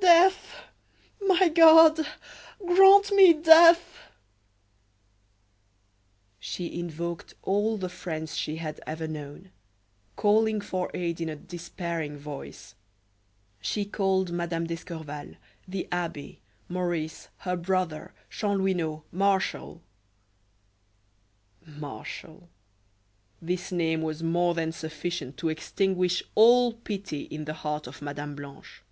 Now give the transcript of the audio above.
Death! My God! grant me death!" She invoked all the friends she had ever known, calling for aid in a despairing voice. She called Mme. d'Escorval, the abbe, Maurice, her brother, Chanlouineau, Martial! Martial, this name was more than sufficient to extinguish all pity in the heart of Mme. Blanche.